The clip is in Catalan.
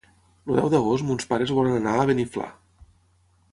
El deu d'agost mons pares volen anar a Beniflà.